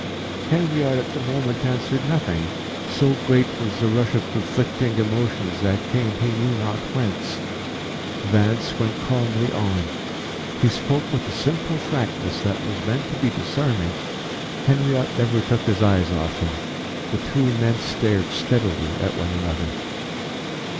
Henriot at the moment answered nothing, so great was the rush of conflicting emotions that came he knew not whence. Vance went calmly on. He spoke with a simple frankness that was meant to be disarming. Henriot never took his eyes off him. The two men stared steadily at one another.